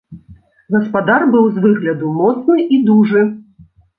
Гаспадар быў з выгляду моцны і дужы.